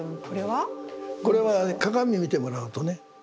これは鏡見てもらうとね。